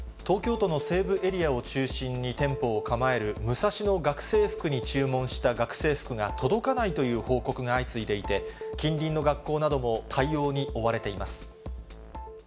東京都の西部エリアを中心に店舗を構えるムサシノ学生服に注文した学生服が届かないという報告が相次いでいて、近隣の学校なども対応に追われています。